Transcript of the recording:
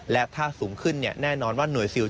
และถ้าสูงขึ้นแน่นอนว่าหน่วยซิล